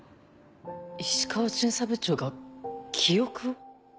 石川巡査部長が記憶を？